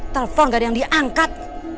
telepon gak ada yang diangkat